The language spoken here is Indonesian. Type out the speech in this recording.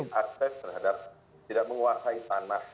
tidak memiliki akses terhadap tidak menguasai tanah